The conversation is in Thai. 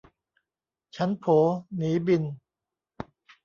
ฉันโผ หนี บิน